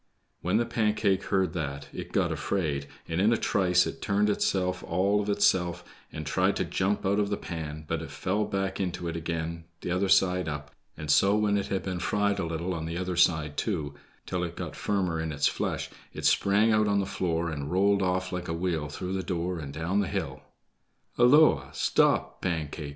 When the Pancake heard that it got afraid, and in a trice it turned itself all of itself, and tried to jump out of the pan; but it fell back into it again t'other side up, and so when it had been fried a little on the other side, too, till it got firmer in its flesh, it sprang out on the floor, and rolled off like a wheel through the door and down the hill. "Holloa! Stop, Pancake!"